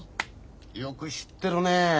よく知ってるねえ。